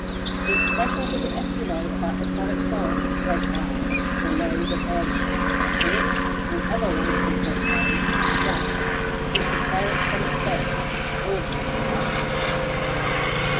The expressions of the Eskimo about the Saviksoah (Great Iron) were low but earnest, and it, and the other wonderful 'Great Irons' (the jacks) which could tear it from its bed, awed them to the utmost."